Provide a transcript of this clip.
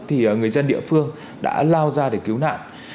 thì người dân địa phương đã lao ra để cứu nạn